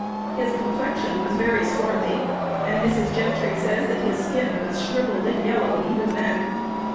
His complexion was very swarthy, and Mrs. Gentry says that his skin was shrivelled and yellow even then.